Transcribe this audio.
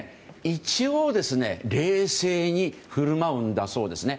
一応、冷静に振る舞うんだそうです。